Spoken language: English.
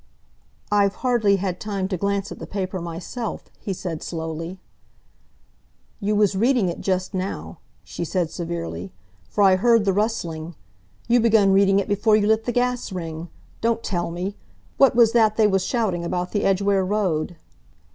"I've hardly had time to glance at the paper myself," he said slowly. "You was reading it just now," she said severely, "for I heard the rustling. You begun reading it before you lit the gas ring. Don't tell me! What was that they was shouting about the Edgware Road?"